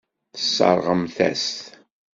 Tesseṛɣemt-as-t.